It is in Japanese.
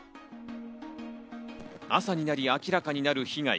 朝になり明らかになる被害。